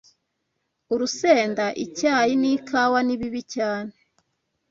urusenda, icyayi, n’ikawa nibibi cyane